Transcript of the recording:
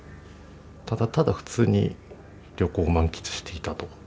ただただ普通に旅行を満喫していたと。